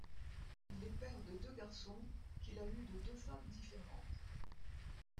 Il est père de deux garçons, qu'il a eus de deux femmes différentes.